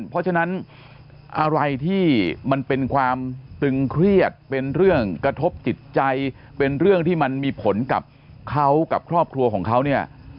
เพราะฉะนั้นอะไรที่มันเป็นความตึงเครียดเป็นเรื่องกระทบจิตใจเป็นเรื่องที่มันมีผลกับเขากับครอบครัวของเขาเนี่ย